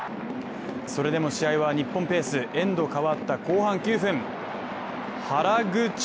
それでも試合は日本ペースエンド変わった後半９分原口。